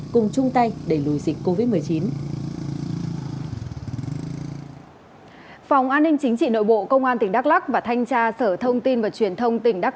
cùng chung tay đẩy lùi dịch covid một mươi chín